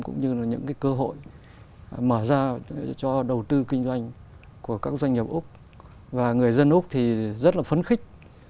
cũng như là những cái cơ hội mở ra cho đầu tư kinh doanh của các doanh nghiệp úc và người dân úc thì rất là phấn khích